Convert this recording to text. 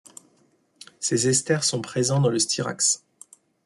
Ses esters sont présents dans le styrax.